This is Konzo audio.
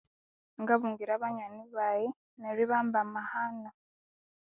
Ngabungira banyonyi baghe neryo ibamba amahano